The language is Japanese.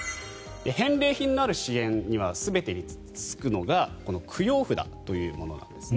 返礼品のある支援に全てつくのがこの供養札というものなんです。